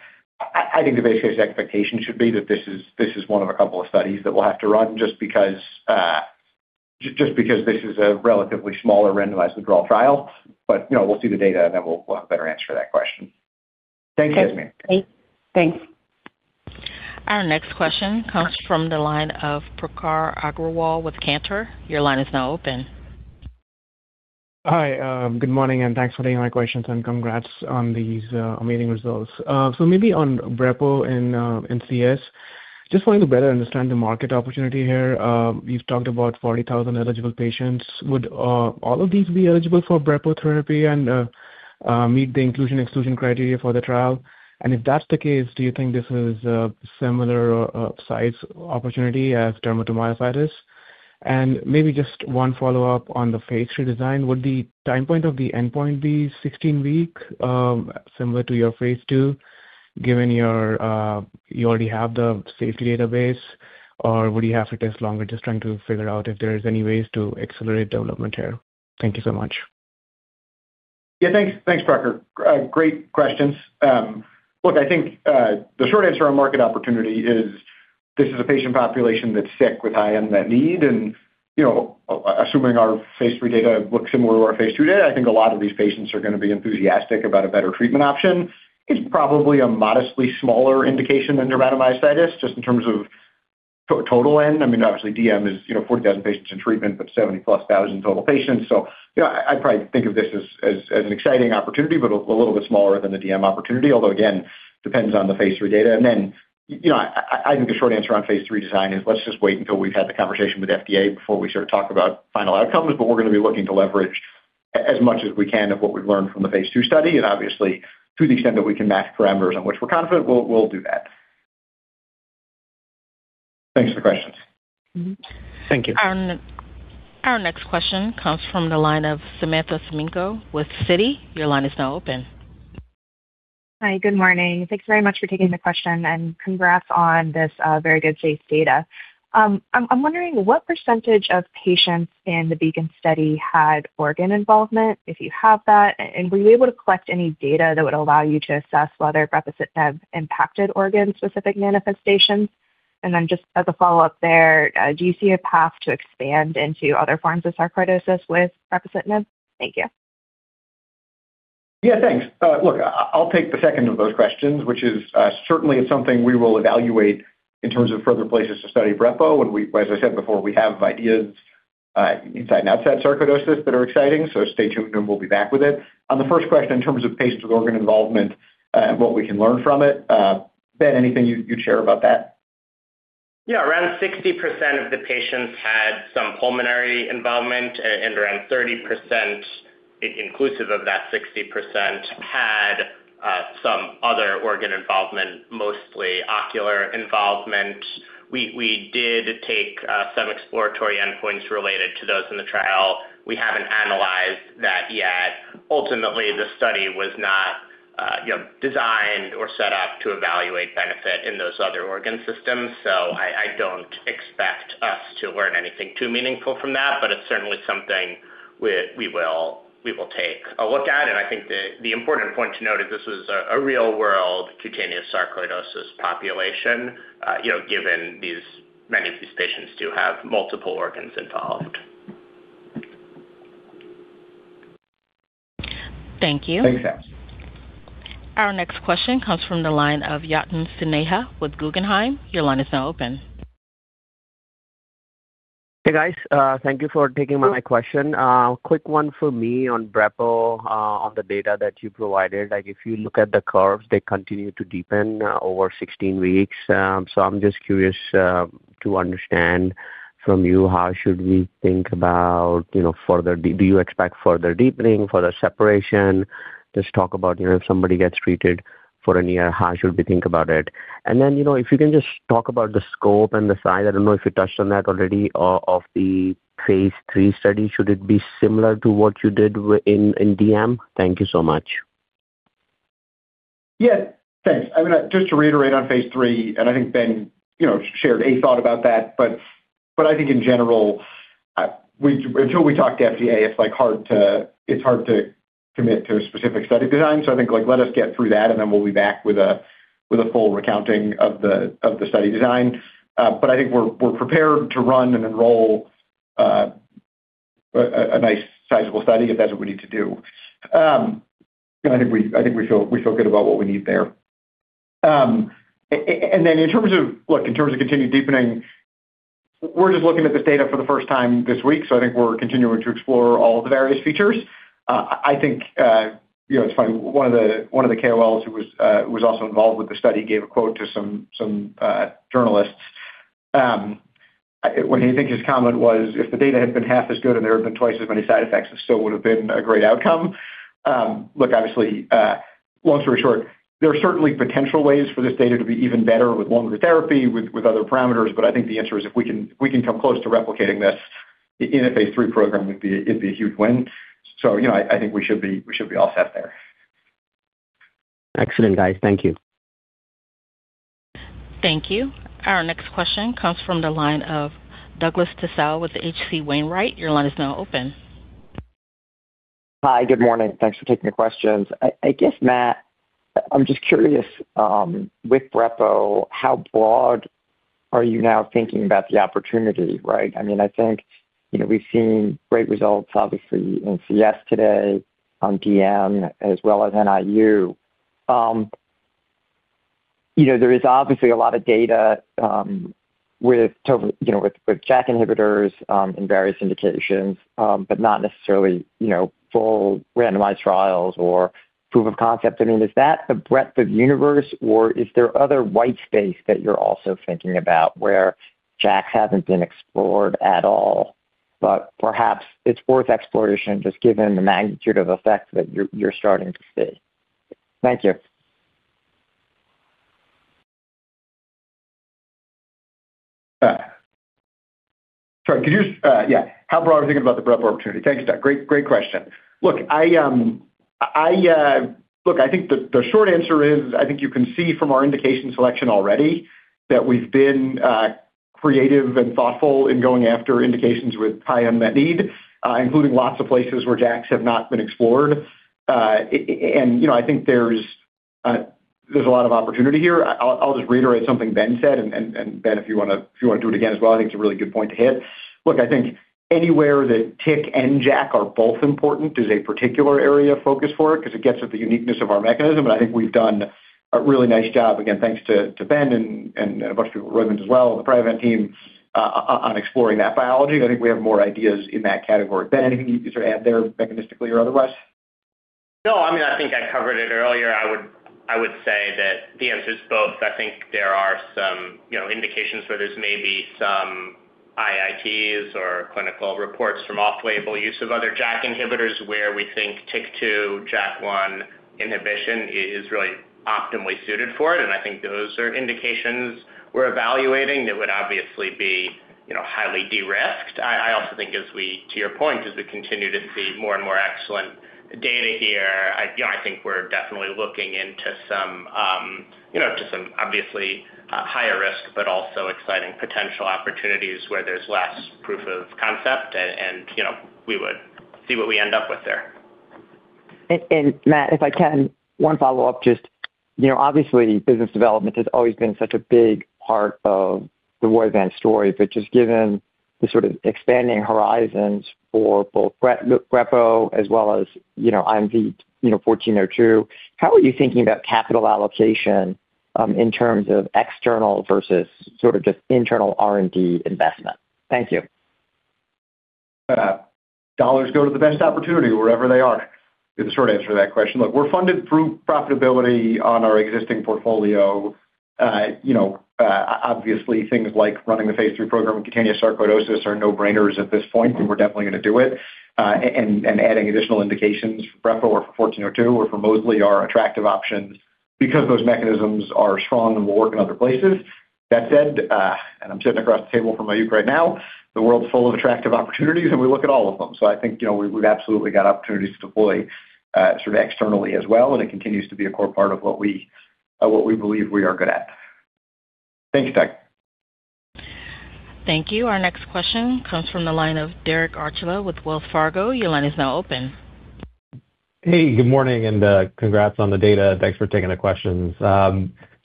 I think the base case expectation should be that this is one of a couple of studies that we'll have to run just because this is a relatively smaller randomized withdrawal trial. But we'll see the data. And then we'll have a better answer to that question. Thanks, Yasmeen. Okay. Thanks. Our next question comes from the line of Prakhar Agrawal with Cantor. Your line is now open. Hi. Good morning. Thanks for taking my questions. Congrats on these amazing results. Maybe on Brepo in CS, just wanting to better understand the market opportunity here. You've talked about 40,000 eligible patients. Would all of these be eligible for Brepo therapy and meet the inclusion/exclusion criteria for the trial? If that's the case, do you think this is a similar size opportunity as dermatomyositis? Maybe just one follow-up on the phase 3 design. Would the time point of the endpoint be 16-week, similar to your phase 2, given you already have the safety database? Or would you have to test longer, just trying to figure out if there's any ways to accelerate development here? Thank you so much. Yeah, thanks, Parker. Great questions. Look, I think the short answer on market opportunity is this is a patient population that's sick with high unmet need. And assuming our phase 3 data looks similar to our phase 2 data, I think a lot of these patients are going to be enthusiastic about a better treatment option. It's probably a modestly smaller indication than dermatomyositis, just in terms of total N. I mean, obviously, DM is 40,000 patients in treatment, but 70+ thousand total patients. So I'd probably think of this as an exciting opportunity, but a little bit smaller than the DM opportunity, although, again, depends on the phase 3 data. And then I think the short answer on phase 3 design is let's just wait until we've had the conversation with FDA before we sort of talk about final outcomes. We're going to be looking to leverage as much as we can of what we've learned from the phase 2 study. Obviously, to the extent that we can match parameters on which we're confident, we'll do that. Thanks for the questions. Thank you. Our next question comes from the line of Samantha Semenkow with Citi. Your line is now open. Hi. Good morning. Thanks very much for taking the question. Congrats on this very good, safe data. I'm wondering, what percentage of patients in the Brepo study had organ involvement, if you have that? Were you able to collect any data that would allow you to assess whether brepocitinib impacted organ-specific manifestations? Then just as a follow-up there, do you see a path to expand into other forms of sarcoidosis with brepocitinib? Thank you. Yeah, thanks. Look, I'll take the second of those questions, which is certainly something we will evaluate in terms of further places to study Brepo. And as I said before, we have ideas inside and outside sarcoidosis that are exciting. So stay tuned. And we'll be back with it. On the first question, in terms of patients with organ involvement and what we can learn from it, Ben, anything you'd share about that? Yeah. Around 60% of the patients had some pulmonary involvement. Around 30%, inclusive of that 60%, had some other organ involvement, mostly ocular involvement. We did take some exploratory endpoints related to those in the trial. We haven't analyzed that yet. Ultimately, the study was not designed or set up to evaluate benefit in those other organ systems. I don't expect us to learn anything too meaningful from that. It's certainly something we will take a look at. I think the important point to note is this was a real-world cutaneous sarcoidosis population, given many of these patients do have multiple organs involved. Thank you. Thanks, Sam. Our next question comes from the line of Yatin Suneja with Guggenheim. Your line is now open. Hey, guys. Thank you for taking my question. Quick one for me on Brepo, on the data that you provided. If you look at the curves, they continue to deepen over 16 weeks. So I'm just curious to understand from you, how should we think about further do you expect further deepening, further separation? Just talk about if somebody gets treated for a year, how should we think about it? And then if you can just talk about the scope and the size. I don't know if you touched on that already, of the phase 3 study, should it be similar to what you did in DM? Thank you so much. Yeah. Thanks. I mean, just to reiterate on phase 3. I think Ben shared a thought about that. But I think in general, until we talk to FDA, it's hard to commit to a specific study design. So I think let us get through that. And then we'll be back with a full recounting of the study design. But I think we're prepared to run and enroll a nice, sizable study if that's what we need to do. I think we feel good about what we need there. And then in terms of look, in terms of continued deepening, we're just looking at this data for the first time this week. So I think we're continuing to explore all of the various features. I think it's funny. One of the KOLs who was also involved with the study gave a quote to some journalists. What he thinks his comment was, if the data had been half as good and there had been twice as many side effects, this still would have been a great outcome. Look, obviously, long story short, there are certainly potential ways for this data to be even better with longer therapy, with other parameters. But I think the answer is if we can come close to replicating this in a phase 3 program, it'd be a huge win. So I think we should be all set there. Excellent, guys. Thank you. Thank you. Our next question comes from the line of Douglas Tsao with H.C. Wainwright. Your line is now open. Hi. Good morning. Thanks for taking my questions. I guess, Matt, I'm just curious, with Brepo, how broad are you now thinking about the opportunity, right? I mean, I think we've seen great results, obviously, in CS today, on DM, as well as NIU. There is obviously a lot of data with JAK inhibitors in various indications, but not necessarily full randomized trials or proof of concept. I mean, is that the breadth of universe? Or is there other white space that you're also thinking about where JAKs haven't been explored at all? But perhaps it's worth exploration, just given the magnitude of effects that you're starting to see. Thank you. Sorry. Yeah. How broad are we thinking about the Brepo opportunity? Thanks, Doug. Great question. Look, I think the short answer is I think you can see from our indication selection already that we've been creative and thoughtful in going after indications with high unmet need, including lots of places where JAKs have not been explored. And I think there's a lot of opportunity here. I'll just reiterate something Ben said. And Ben, if you want to do it again as well, I think it's a really good point to hit. Look, I think anywhere that TYK and JAK are both important is a particular area of focus for it because it gets at the uniqueness of our mechanism. And I think we've done a really nice job, again, thanks to Ben and a bunch of people at Roivant as well, the Priovant team, on exploring that biology. I think we have more ideas in that category. Ben, anything you'd like to add there, mechanistically or otherwise? No. I mean, I think I covered it earlier. I would say that the answer is both. I think there are some indications where there's maybe some IITs or clinical reports from off-label use of other JAK inhibitors where we think TYK2, JAK1 inhibition is really optimally suited for it. I think those are indications we're evaluating that would obviously be highly de-risked. I also think, to your point, as we continue to see more and more excellent data here, I think we're definitely looking into some, obviously, higher risk but also exciting potential opportunities where there's less proof of concept. We would see what we end up with there. And Matt, if I can, one follow-up. Just obviously, business development has always been such a big part of the Roivant story. But just given the sort of expanding horizons for both Brepo as well as IMVT-1402, how are you thinking about capital allocation in terms of external versus sort of just internal R&D investment? Thank you. Dollars go to the best opportunity, wherever they are, is the short answer to that question. Look, we're funded through profitability on our existing portfolio. Obviously, things like running the phase 3 program with cutaneous sarcoidosis are no-brainers at this point. We're definitely going to do it. Adding additional indications for Brepo or for 1402 or for mosliciguat are attractive options because those mechanisms are strong. We'll work in other places. That said, I'm sitting across the table from Mayukh right now. The world's full of attractive opportunities. We look at all of them. So I think we've absolutely got opportunities to deploy sort of externally as well. It continues to be a core part of what we believe we are good at. Thanks, Doug. Thank you. Our next question comes from the line of Derek Archila with Wells Fargo. Your line is now open. Hey. Good morning. And congrats on the data. Thanks for taking the questions.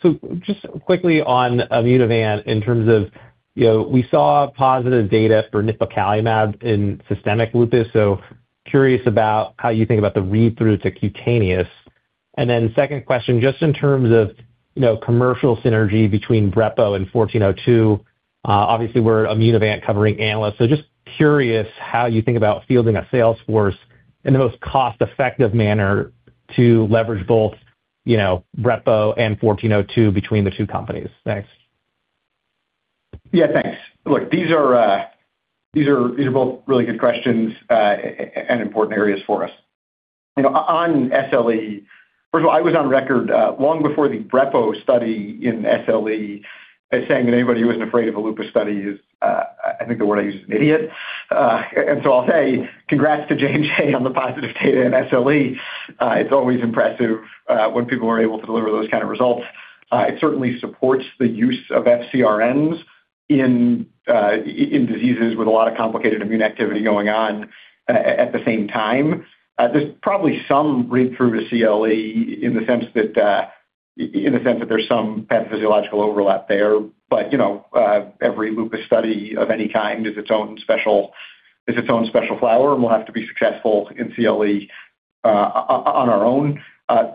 So just quickly on Immunovant, in terms of we saw positive data for nipocalimab in systemic lupus. So curious about how you think about the read-through to cutaneous. And then second question, just in terms of commercial synergy between Brepo and 1402, obviously, we're Immunovant covering analysts. So just curious how you think about fielding a sales force in the most cost-effective manner to leverage both Brepo and 1402 between the two companies. Thanks. Yeah. Thanks. Look, these are both really good questions and important areas for us. On SLE, first of all, I was on record long before the Brepo study in SLE as saying that anybody who isn't afraid of a lupus study is I think the word I use is an idiot. And so I'll say congrats to J&J on the positive data in SLE. It's always impressive when people are able to deliver those kind of results. It certainly supports the use of FcRns in diseases with a lot of complicated immune activity going on at the same time. There's probably some read-through to CLE in the sense that in the sense that there's some pathophysiological overlap there. But every lupus study of any kind is its own special flower. And we'll have to be successful in CLE on our own.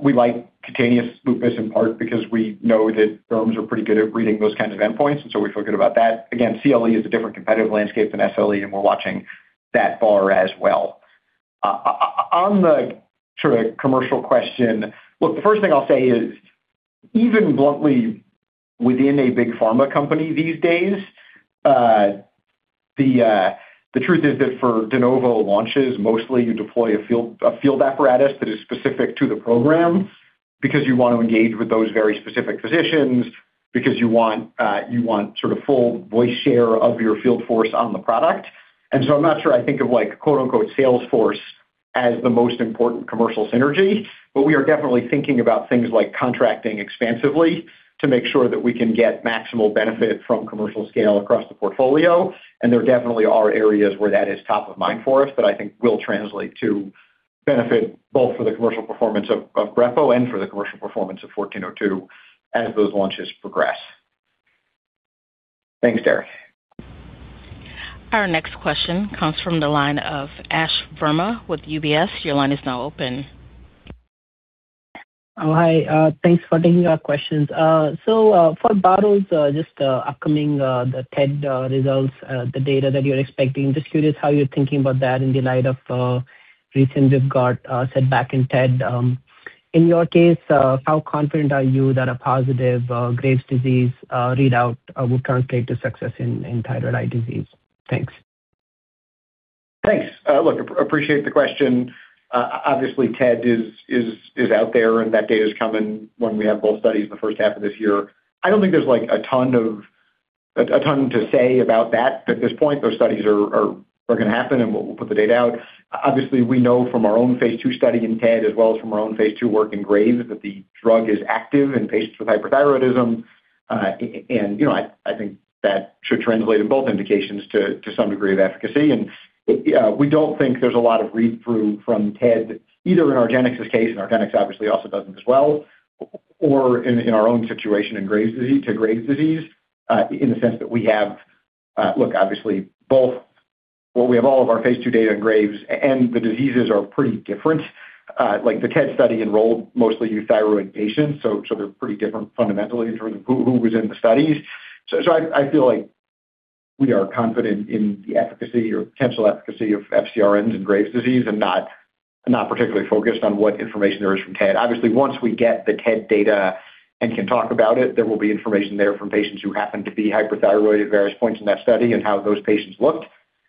We like cutaneous lupus in part because we know that firms are pretty good at reading those kinds of endpoints. So we feel good about that. Again, CLE is a different competitive landscape than SLE. And we're watching that bar as well. On the sort of commercial question, look, the first thing I'll say is even bluntly, within a big pharma company these days, the truth is that for de novo launches, mostly, you deploy a field apparatus that is specific to the program because you want to engage with those very specific physicians, because you want sort of full share of voice of your field force on the product. And so I'm not sure I think of "sales force" as the most important commercial synergy. But we are definitely thinking about things like contracting expansively to make sure that we can get maximal benefit from commercial scale across the portfolio. And there definitely are areas where that is top of mind for us that I think will translate to benefit both for the commercial performance of Brepo and for the commercial performance of 1402 as those launches progress. Thanks, Derek. Our next question comes from the line of Ashwani Verma with UBS. Your line is now open. Oh, hi. Thanks for taking our questions. So for batoclimab, just upcoming the TED results, the data that you're expecting, just curious how you're thinking about that in the light of recent we've got setback in TED. In your case, how confident are you that a positive Graves' disease readout would translate to success in thyroid eye disease? Thanks. Thanks. Look, appreciate the question. Obviously, TED is out there. That data is coming when we have both studies in the first half of this year. I don't think there's a ton to say about that at this point. Those studies are going to happen. We'll put the data out. Obviously, we know from our own phase 2 study in TED, as well as from our own phase 2 work in Graves, that the drug is active in patients with hyperthyroidism. I think that should translate in both indications to some degree of efficacy. We don't think there's a lot of read-through from TED, either in Argenx's case, and Argenx, obviously, also doesn't as well, or in our own situation to Graves' disease in the sense that, obviously, we have all of our phase 2 data in Graves. The diseases are pretty different. The TED study enrolled mostly euthyroid patients. They're pretty different fundamentally in terms of who was in the studies. I feel like we are confident in the efficacy or potential efficacy of FcRns in Graves' disease and not particularly focused on what information there is from TED. Obviously, once we get the TED data and can talk about it, there will be information there from patients who happen to be hyperthyroid at various points in that study and how those patients looked.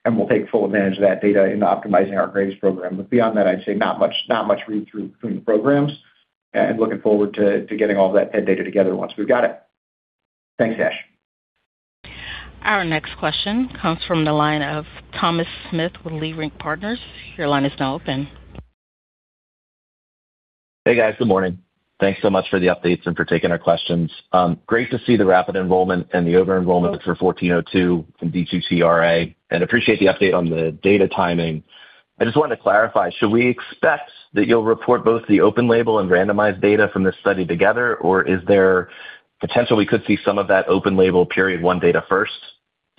We'll take full advantage of that data in optimizing our Graves' program. But beyond that, I'd say not much read-through between the programs. Looking forward to getting all of that TED data together once we've got it. Thanks, Ash. Our next question comes from the line of Thomas Smith with Leerink Partners. Your line is now open. Hey, guys. Good morning. Thanks so much for the updates and for taking our questions. Great to see the rapid enrollment and the over-enrollment for 1402 and DTT-RA. And appreciate the update on the data timing. I just wanted to clarify. Should we expect that you'll report both the open-label and randomized data from this study together? Or is there potential we could see some of that open-label period one data first?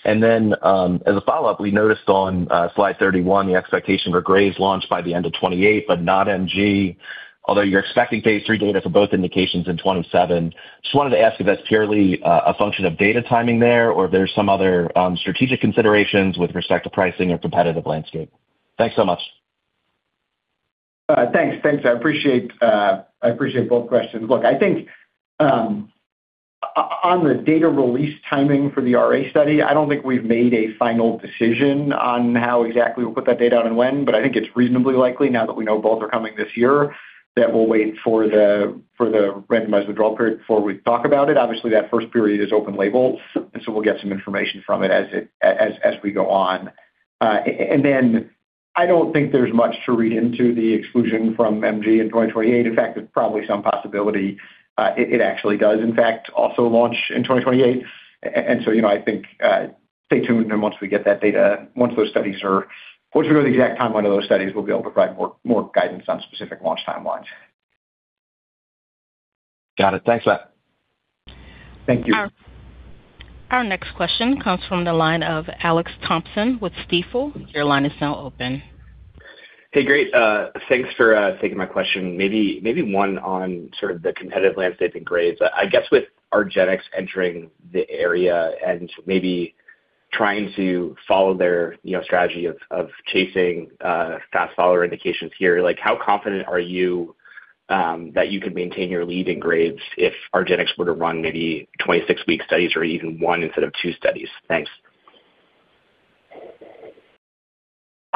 And then as a follow-up, we noticed on slide 31 the expectation for Graves' launch by the end of 2028 but not MG, although you're expecting phase 3 data for both indications in 2027. Just wanted to ask if that's purely a function of data timing there or if there's some other strategic considerations with respect to pricing or competitive landscape. Thanks so much. Thanks. Thanks, Doug. I appreciate both questions. Look, I think on the data release timing for the RA study, I don't think we've made a final decision on how exactly we'll put that data out and when. But I think it's reasonably likely now that we know both are coming this year that we'll wait for the randomized withdrawal period before we talk about it. Obviously, that first period is open-label. And so we'll get some information from it as we go on. And then I don't think there's much to read into the exclusion from MG in 2028. In fact, there's probably some possibility it actually does, in fact, also launch in 2028. And so I think stay tuned. And once we get that data, once those studies are, once we know the exact timeline of those studies, we'll be able to provide more guidance on specific launch timelines. Got it. Thanks, Matt. Thank you. Our next question comes from the line of Alex Thompson with Stifel. Your line is now open. Hey. Great. Thanks for taking my question. Maybe one on sort of the competitive landscape in Graves. I guess with Argenx entering the area and maybe trying to follow their strategy of chasing fast-follower indications here, how confident are you that you could maintain your lead in Graves if Argenx were to run maybe 26-week studies or even one instead of two studies? Thanks.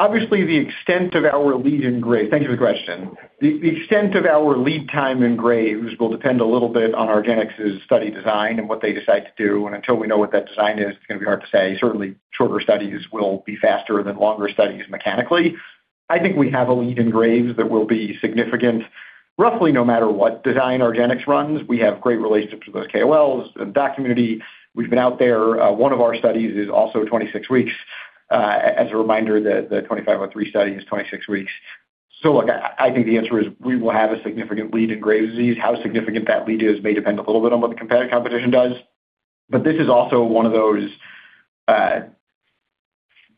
Obviously, the extent of our lead in Graves'. Thank you for the question. The extent of our lead time in Graves will depend a little bit on Argenx's study design and what they decide to do. Until we know what that design is, it's going to be hard to say. Certainly, shorter studies will be faster than longer studies mechanically. I think we have a lead in Graves that will be significant roughly no matter what design Argenx runs. We have great relationships with those KOLs and doc community. We've been out there. One of our studies is also 26 weeks. As a reminder, the 2503 study is 26 weeks. So look, I think the answer is we will have a significant lead in Graves' disease. How significant that lead is may depend a little bit on what the competitive competition does. But this is also one of those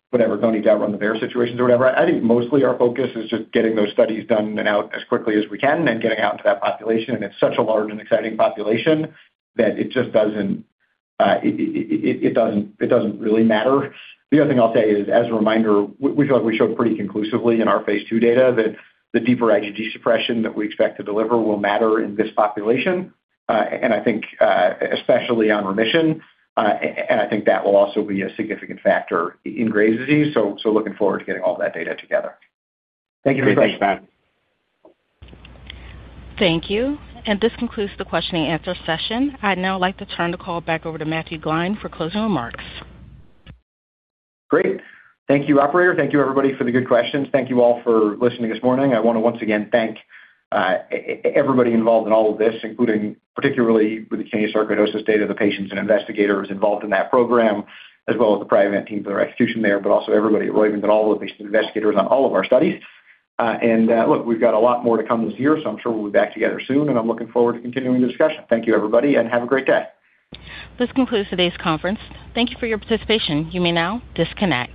whatever, "Don't need to outrun the bear situations," or whatever. I think mostly, our focus is just getting those studies done and out as quickly as we can and getting out into that population. And it's such a large and exciting population that it just doesn't really matter. The other thing I'll say is, as a reminder, we feel like we showed pretty conclusively in our phase 2 data that the deeper IgG suppression that we expect to deliver will matter in this population, especially on remission. And I think that will also be a significant factor in Graves' disease. So looking forward to getting all that data together. Thank you for the question. Great. Thanks, Matt. Thank you. This concludes the question-and-answer session. I'd now like to turn the call back over to Matt Gline for closing remarks. Great. Thank you, operator. Thank you, everybody, for the good questions. Thank you all for listening this morning. I want to once again thank everybody involved in all of this, particularly with the cutaneous sarcoidosis data, the patients and investigators involved in that program, as well as the Priovant team for the execution there, but also everybody at Roivant and all of the patients and investigators on all of our studies. And look, we've got a lot more to come this year. So I'm sure we'll be back together soon. And I'm looking forward to continuing the discussion. Thank you, everybody. And have a great day. This concludes today's conference. Thank you for your participation. You may now disconnect.